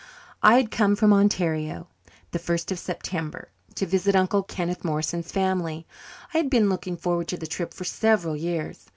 I had come from Ontario, the first of September, to visit Uncle Kenneth Morrison's family. I had been looking forward to the trip for several years.